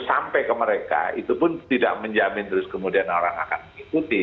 sampai ke mereka itu pun tidak menjamin terus kemudian orang akan mengikuti